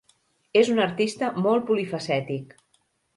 És un artista molt polifacètic.